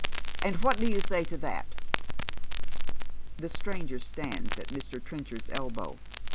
" and " What do you say to that ?" The sti anger stands at Mr. Trenchard's elbow.